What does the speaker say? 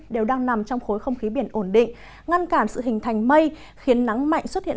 đều đang nằm trong khối không khí biển ổn định ngăn cản sự hình thành mây khiến nắng mạnh xuất hiện